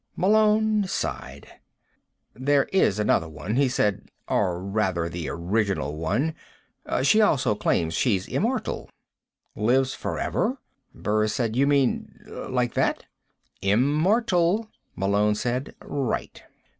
Malone sighed. "This is another one," he said. "Or, rather, the original one. She also claims she's immortal." "Lives forever?" Burris said. "You mean like that?" "Immortal," Malone said. "Right."